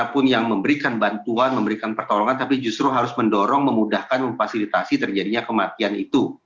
siapapun yang memberikan bantuan memberikan pertolongan tapi justru harus mendorong memudahkan memfasilitasi terjadinya kematian itu